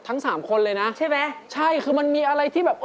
ทั้งสามคนเลยนะใช่ไหมใช่คือมันมีอะไรที่แบบ